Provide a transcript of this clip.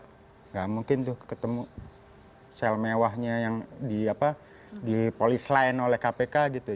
tidak mungkin tuh ketemu sel mewahnya yang di polis lain oleh kpk gitu